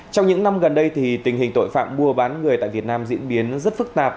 trong những năm gần đây tình hình tội phạm mua bán người tại việt nam diễn biến rất phức tạp